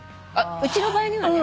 うちの場合にはね。